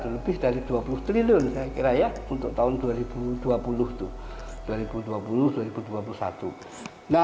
lebih dari dua puluh triliun saya kira ya untuk tahun dua ribu dua puluh